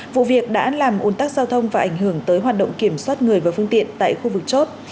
vụ việc đã làm ôn tắc giao thông và ảnh hưởng tới hoạt động kiểm soát người và phương tiện tại khu vực chốt